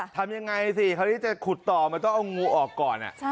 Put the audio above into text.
ทำยังไงสิคราวนี้จะขุดต่อมันต้องเอางูออกก่อน